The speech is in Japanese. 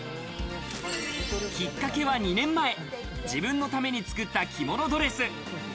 きっかけは２年前、自分のために作った、着物ドレス。